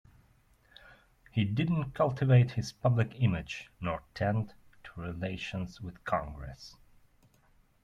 He didn't cultivate his public image, nor tend to relations with Congress.